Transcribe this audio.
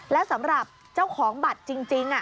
แล้วสำหรับเจ้าของบัตรจริง